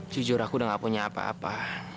jujur aku udah gak punya apa apa